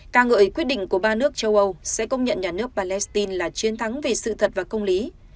cả người quyết định của ba nước châu âu sẽ công nhận nhà nước palestine là chiến thắng về sự thật và công lý